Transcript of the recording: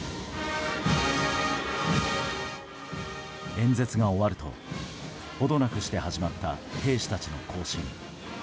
演説が終わると程なくして始まった兵士たちの行進。